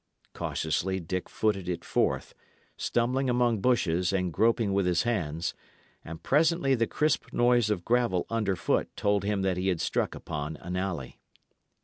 Cautiously Dick footed it forth, stumbling among bushes, and groping with his hands; and presently the crisp noise of gravel underfoot told him that he had struck upon an alley.